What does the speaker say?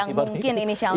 yang mungkin inisialnya